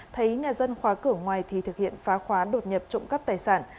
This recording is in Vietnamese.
thấy nhà dân khóa cửa ngoài thì thực hiện phá khóa đột nhập trộm cắp tài sản